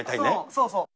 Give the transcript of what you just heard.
そうそう。